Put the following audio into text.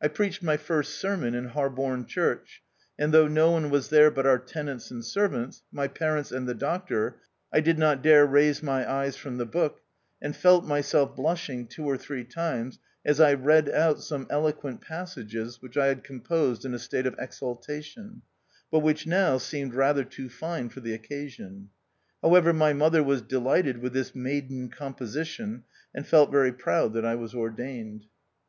I preached my first sermon in Harborne Church ; and though no one was there but our tenants and servants, my parents and the doctor, I did not dare raise my eyes from the book, and felt myself blushing two or three times as I read out some eloquent passages which I had com posed in a state of exaltation, but which now seemed rather too fine for the occasion. However, my mother was delighted with this maiden composition, and felt very proud that I was ordained.